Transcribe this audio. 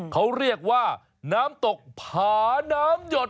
เขาเรียกว่าน้ำตกผาน้ำหยด